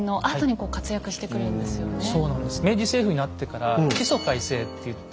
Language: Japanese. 明治政府になってから「地租改正」っていって。